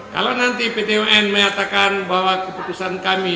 kalau nanti pt un menyatakan bahwa keputusan kami